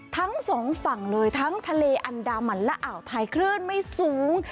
ทั้งสองฝั่งเลยทั้งทะเลอันดามันและอ่าวไทยคลื่นไม่สูง